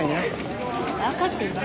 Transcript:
分かってる。